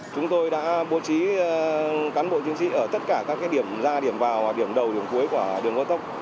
chúng tôi đã bố trí cán bộ chiến sĩ ở tất cả các điểm ra điểm vào điểm đầu điểm cuối của đường gó tốc